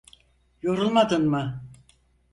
Yorulmadın mı?